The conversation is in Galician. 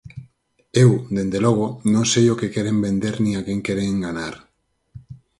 Eu, dende logo, non sei o que queren vender nin a quen queren enganar.